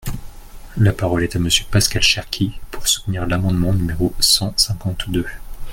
La parole est à Monsieur Pascal Cherki, pour soutenir l’amendement numéro cent cinquante-deux.